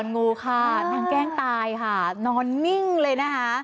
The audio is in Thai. งูค่ะนางแกล้งตายค่ะนอนนิ่งเลยนะคะ